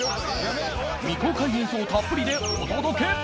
未公開映像たっぷりでお届け